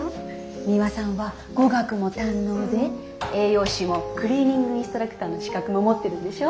ミワさんは語学も堪能で栄養士もクリーニングインストラクターの資格も持ってるんでしょ？